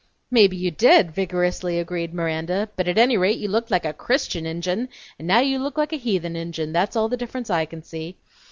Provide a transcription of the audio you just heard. "Mebbe you did," vigorously agreed Miranda, "but 't any rate you looked like a Christian Injun, 'n' now you look like a heathen Injun; that's all the difference I can see.